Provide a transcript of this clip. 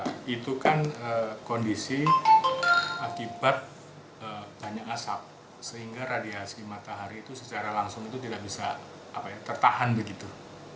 karena itu kan kondisi akibat banyak asap sehingga radiasi matahari itu secara langsung itu tidak bisa tertahan begitu